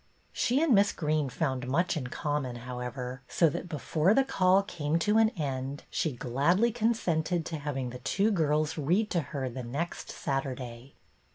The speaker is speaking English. She and Miss Greene found much in common, however, so that before the call came to an end she gladly consented to having the two young girls read to her the next Saturday.